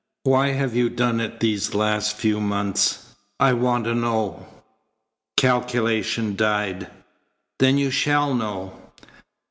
Why have you done it these last few months? I want to know." Calculation died. "Then you shall know."